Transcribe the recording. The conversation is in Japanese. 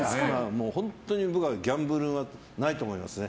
本当に僕はギャンブル弱いと思いますね。